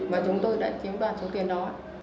và chúng tôi đã chiếm toán số tiền đó